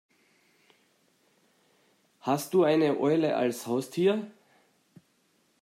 Hast du eine Eule als Haustier?